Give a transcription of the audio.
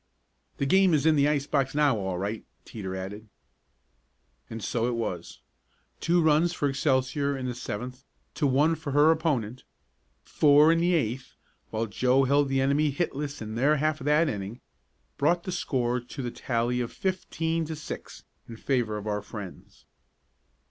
"The game is in the ice box now, all right," Teeter added. And so it was. Two runs for Excelsior in the seventh to one for her opponent; four in the eighth, while Joe held the enemy hitless in their half of that inning, brought the score to the tally of fifteen to six in favor of our friends.